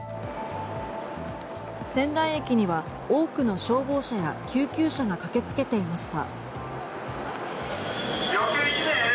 仙台駅には多くの消防車や救急車が駆けつけていました。